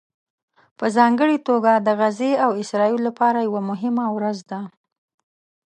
په ځانګړې توګه د غزې او اسرائیلو لپاره یوه مهمه ورځ ده